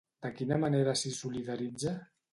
De quina manera s'hi solidaritza?